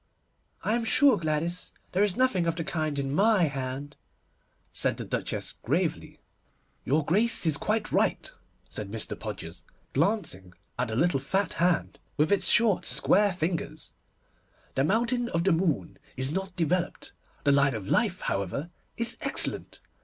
'I am sure, Gladys, there is nothing of the kind in my hand,' said the Duchess gravely. 'Your Grace is quite right,' said Mr. Podgers, glancing at the little fat hand with its short square fingers, 'the mountain of the moon is not developed. The line of life, however, is excellent.